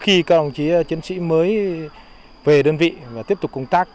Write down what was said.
khi các đồng chí chiến sĩ mới về đơn vị và tiếp tục công tác